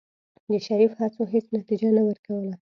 د شريف هڅو هېڅ نتيجه نه ورکوله.